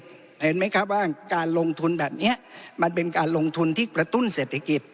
เห็นไหมครับว่าการลงทุนแบบนี้มันเป็นการลงทุนที่กระตุ้นเศรษฐกิจ